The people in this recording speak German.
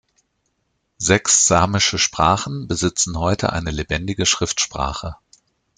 Sechs samische Sprachen besitzen heute eine lebendige Schriftsprache.